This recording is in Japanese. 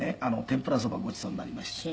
天ぷらそばをごちそうになりました」